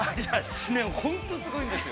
知念、本当すごいんですよ。